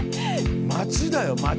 街だよ街。